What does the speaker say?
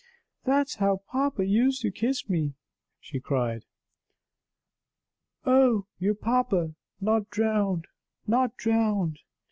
"That's how papa used to kiss me!" she cried. "Oh! you are papa! Not drowned! not drowned!"